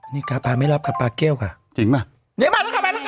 นี่ค่ะปลาไม่รับค่ะปลาเกล้วค่ะจริงมั้ยนี่มาแล้วค่ะมาแล้วค่ะ